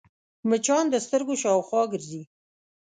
مچان د سترګو شاوخوا ګرځي